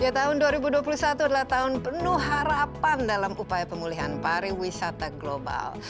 tahun dua ribu dua puluh satu adalah tahun penuh harapan dalam upaya pemulihan pariwisata global